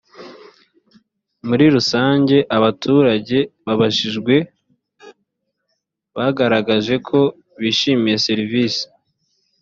muri rusange abaturage babajijwe bagaragaje ko bishimiye serivisi.